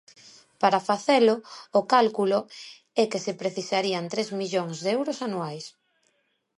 Para facelo, o cálculo é que se precisarían tres millóns de euros anuais.